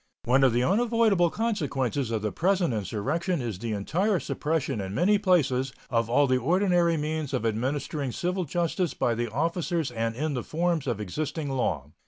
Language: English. One of the unavoidable consequences of the present insurrection is the entire suppression in many places of all the ordinary means of administering civil justice by the officers and in the forms of existing law.